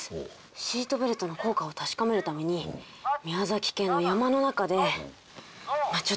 シートベルトの効果を確かめるために宮崎県の山の中で。まあちょっと見てて下さい。